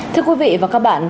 thưa quý vị và các bạn